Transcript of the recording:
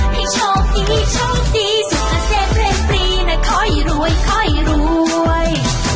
ให้โชคดีโชคดีสุขเกษตรเพลงปรีนะค่อยรวยค่อยรวย